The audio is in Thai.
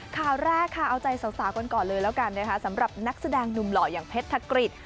ข่าวแรกค่ะเอาใจสาวกันก่อนเลยแล้วกันนะคะสำหรับนักแสดงหนุ่มหล่ออย่างเพชรธกฤษ